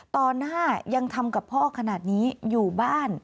ตอนหน้ายังทำกับพ่อขนาดนี้อยู่บ้าน